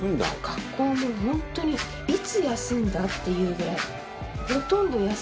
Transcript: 学校も本当にいつ休んだ？っていうぐらい。